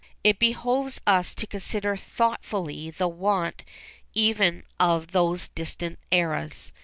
It behoves us to consider thoughtfully the wants even of those distant eras.